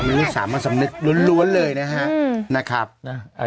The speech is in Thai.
อือไฮะก็ไอลูกหลวนเลยนะคะนะครับอืม